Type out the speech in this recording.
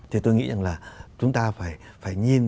thì tôi nghĩ rằng là chúng ta phải nhìn